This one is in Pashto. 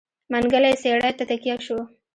منګلی څېړۍ ته تکيه شو.